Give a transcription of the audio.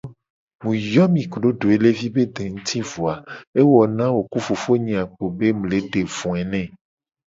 Mu yo mi kudo doelevi be de nguti vo a ewo na wo ku fofo nye a kpo be mu le de voe ne.